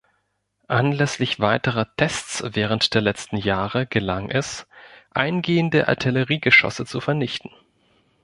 Anlässlich weiterer Tests während der letzten Jahre gelang es, eingehende Artilleriegeschosse zu vernichten.